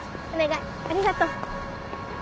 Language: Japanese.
ありがとう。